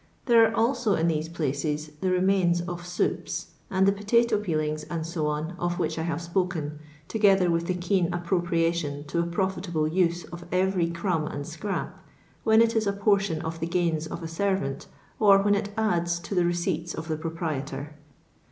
There are also in these places the remaius of soups, and the potato peelings, &c, of which I have spoken, together with the keen appropriation to a profit able use of ever}' crumb and scrap — when it is a portion of the gains of a servant, or when it adds to the receipts of the proprietor.